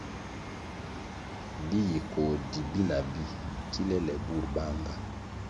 Bi yi koh di bina bi kilè lè burʼ banʼnga.